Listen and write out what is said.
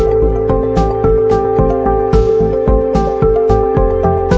จริงจริงจริงจริงจริงจริงพี่แจ๊คเฮ้ยสวยนะเนี่ยเป็นเล่นไป